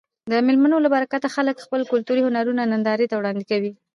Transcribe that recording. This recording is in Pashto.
د مېلو له برکته خلک خپل کلتوري هنرونه نندارې ته وړاندي کوي.